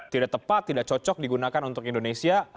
tidak tepat tidak cocok digunakan untuk indonesia